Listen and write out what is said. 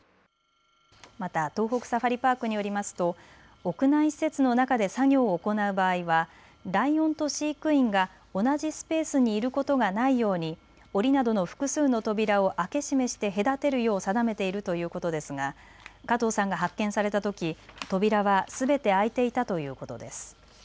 また東北サファリパークによりますと屋内施設の中で作業を行う場合はライオンと飼育員が同じスペースにいることがないようにおりなどの複数の扉を開け閉めして隔てるよう定めているということですが加藤さんが発見されたとき扉はすべて開いていたということです。